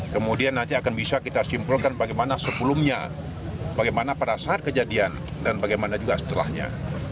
kemudian nanti akan bisa kita simpulkan bagaimana sebelumnya bagaimana pada saat kejadian dan bagaimana juga setelahnya